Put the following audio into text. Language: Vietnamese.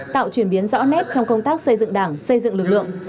tạo chuyển biến rõ nét trong công tác xây dựng đảng xây dựng lực lượng